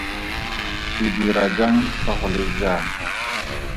Ke dira jang fa go le jaana?